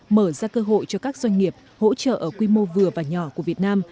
mở ra cơ hội cho các doanh nghiệp hỗ trợ ở quy mô vừa và nhỏ của việt nam